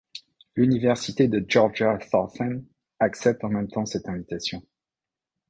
L'Université de Georgia Southern accepte en même temps cette invitation.